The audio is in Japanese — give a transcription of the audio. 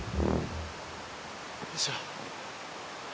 よいしょ。